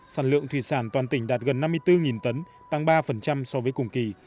sản lượng thủy sản toàn tỉnh đạt gần năm mươi bốn tấn tăng ba so với cùng kỳ